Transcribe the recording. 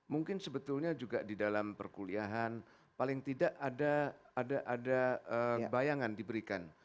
mungkin sebetulnya juga di dalam perkuliahan paling tidak ada bayangan diberikan